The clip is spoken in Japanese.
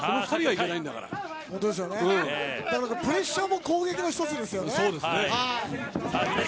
プレッシャーも攻撃の１つですよね。